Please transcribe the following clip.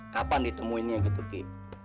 kapan ditemuinnya gitu ki